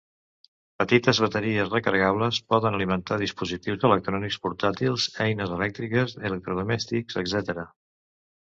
Petites bateries recarregables poden alimentar dispositius electrònics portàtils, eines elèctriques, electrodomèstics, etc.